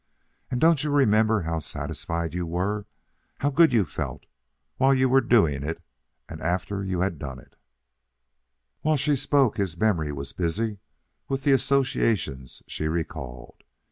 And don't you remember how satisfied you were, how good you felt, while you were doing it and after you had it done?" While she spoke his memory was busy with the associations she recalled.